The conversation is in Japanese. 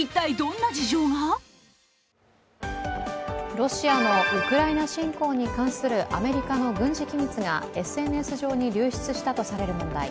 ロシアのウクライナ侵攻に関するアメリカの軍事機密がＳＮＳ上に流出したとされる問題。